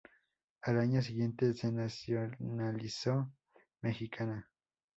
Al año siguiente se nacionalizó mexicana.